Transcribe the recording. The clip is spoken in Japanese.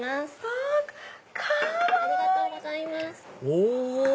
お！